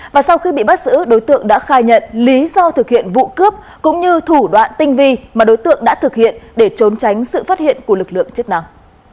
và sau khi bị bắt giữ đối tượng đã khai nhận lý do thực hiện vụ cướp cũng như thủ đoạn tinh vi mà đối tượng đã thực hiện để trốn tránh sự phát hiện của lực lượng chức năng